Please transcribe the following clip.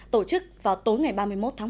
tổ chức vào tối ngày ba mươi một tháng một mươi hai